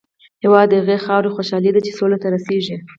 هېواد د هغې خاورې خوشحالي ده چې سولې ته رسېږي.